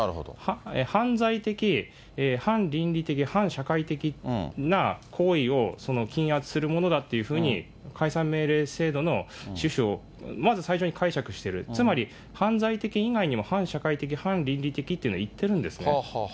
犯罪的反倫理的反社会的な行為を禁圧するものだっていうふうに、解散命令制度の趣旨を、まず最初に解釈してる、つまり犯罪的以外にも反社会的、反倫理的っていうのをいってるんですね。